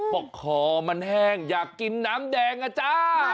คอมันแห้งอยากกินน้ำแดงอ่ะจ้า